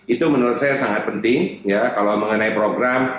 itu menurut saya sangat penting ya kalau mengenai program